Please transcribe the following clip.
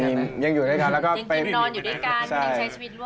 จริงนอนอยู่ด้วยกันใช้ชีวิตร่วมกัน